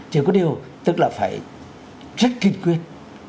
chỉ có điều tức là phải rất kinh quyết